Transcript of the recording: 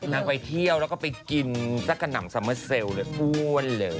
ไปเที่ยวแล้วก็ไปกินสักกระหน่ำซัมเมอร์เซลล์เลยอ้วนเลย